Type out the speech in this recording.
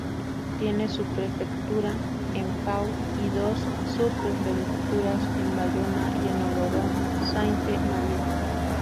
Tiene su prefectura en Pau y dos subprefecturas en Bayona y en Oloron-Sainte-Marie.